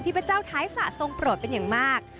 ที่พระเจ้าท้ายสะสมโปรดเป็นอย่างมาก